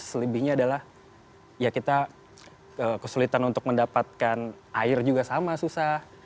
selebihnya adalah ya kita kesulitan untuk mendapatkan air juga sama susah